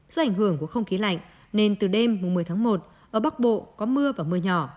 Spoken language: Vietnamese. do ảnh hưởng của không khí lạnh nên từ đêm một mươi tháng một ở bắc bộ có mưa và mưa nhỏ